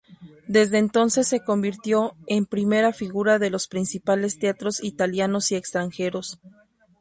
Desde entonces se convirtió en primera figura de los principales teatros italianos y extranjeros.